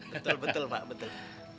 betul betul pak betul